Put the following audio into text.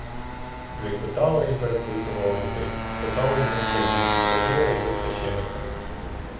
Вже й питала, і перепитувала людей, питала й москалів, ходила і до священика.